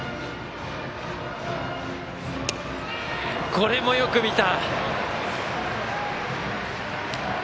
これもよく見た。